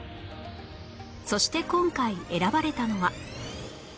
そして今回選ばれたのは